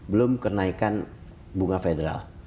belum kenaikan bunga federal